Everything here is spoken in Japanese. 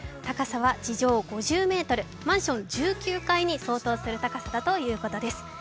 高さは地上５０ｍ、マンション１９階に相当する高さだということです。